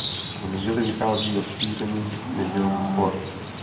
V neděli vychází rozšířený "Nedělní Sport".